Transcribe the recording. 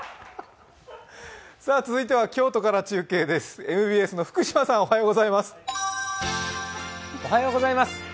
続いては、京都から中継です